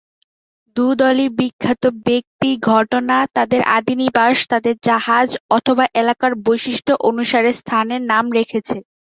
দুটি দলই বিখ্যাত ব্যক্তি, ঘটনা, তাদের আদি নিবাস, তাদের জাহাজ, অথবা এলাকার বৈশিষ্ট অনুসারে স্থানের নাম রেখেছে।